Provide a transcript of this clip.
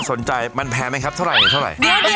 คุณสองคนกำลังจะทำอะไรกันคะ